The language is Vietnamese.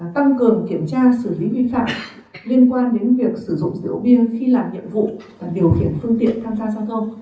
tăng cường kiểm tra xử lý vi phạm liên quan đến việc sử dụng rượu bia khi làm nhiệm vụ và điều khiển phương tiện tham gia giao thông